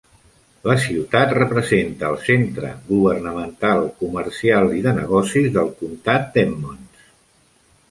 La ciutat representa el centre governamental, comercial i de negocis del comtat d'Emmons.